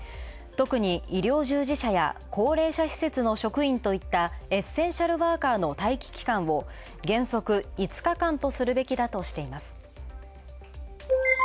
特に医療従事者や高齢者施設の職員といったエッセンシャルワーカーの待機期間を原則、５日間とするべきだとしています。